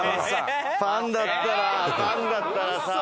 パンだったらパンだったらさ。